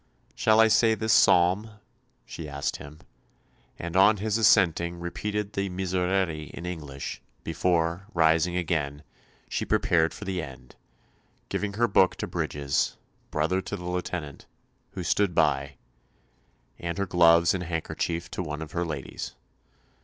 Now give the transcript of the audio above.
"Shall I say this psalm?" she asked him; and on his assenting repeated the Miserere in English, before, rising again, she prepared for the end, giving her book to Bridges, brother to the Lieutenant, who stood by, and her gloves and handkerchief to one of her ladies.